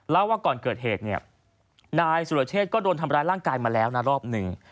ว่าก่อนเกิดเหตุเนี่ยนายสุรเชษฐก็โดนทำร้ายร่างกายมาแล้วนะรอบหนึ่ง